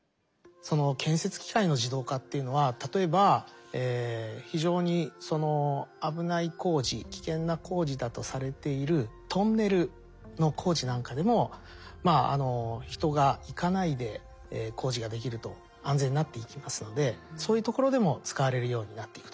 建設機械の自動化っていうのは例えば非常に危ない工事危険な工事だとされているトンネルの工事なんかでも人が行かないで工事ができると安全になっていきますのでそういうところでも使われるようになっていくと。